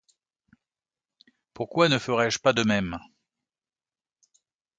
Pourquoi ne ferais-je pas de même ?